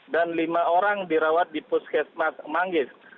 dan lima orang dirawat di puskesmas manggis